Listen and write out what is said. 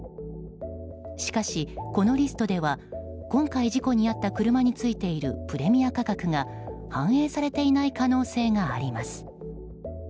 しかし、このリストでは今回事故に遭った車についているプレミア価格が反映されていない可能性があります。